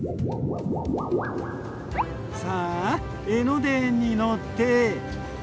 さあ江ノ電に乗って。